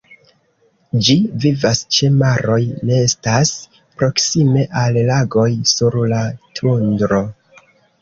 Ĝi vivas ĉe maroj, nestas proksime al lagoj, sur la tundro.